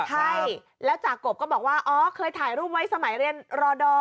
ใช่แล้วจากกบก็บอกว่าอ๋อเคยถ่ายรูปไว้สมัยเรียนรอดอร์